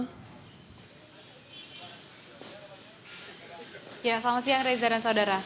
selamat siang reza dan saudara